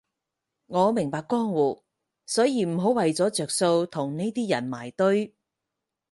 我明白江湖，所以唔好為咗着數同呢啲人埋堆